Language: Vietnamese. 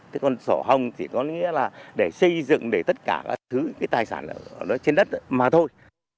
thế còn sổ hồng thì có nghĩa là để xây dựng để tất cả các thứ cái tài sản ở trên đất mà thôi